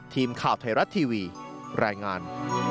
ทีมข่าวไทยรัฐทีวีรายงาน